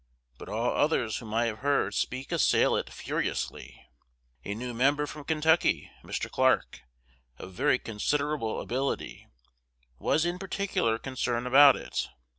But all others whom I have heard speak assail it furiously. A new member from Kentucky (Mr. Clarke) of very considerable ability, was in particular concern about it.